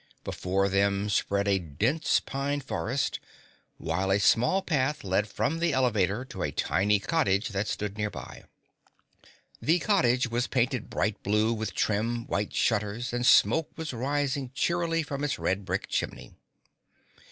Before them spread a dense pine forest, while a small path led from the elevator to a tiny cottage that stood nearby. The cottage was painted bright blue with trim white shutters, and smoke was rising cheerily from its red brick chimney.